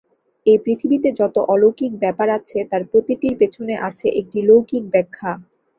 এই পৃথিবীতে যত অলৌকিক ব্যাপার আছে, তার প্রতিটির পেছনে আছে একটি লৌকিক ব্যাখ্যা।